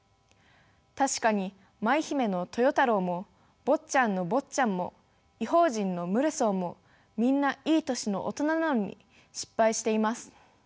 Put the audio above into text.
確かに「舞姫」の豊太郎も「坊っちゃん」の坊っちゃんも「異邦人」のムルソーもみんないい年の大人なのに失敗しています。